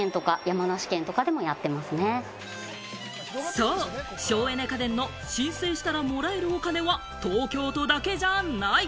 そう、省エネ家電の申請をしたら、もらえるお金は東京都だけじゃない！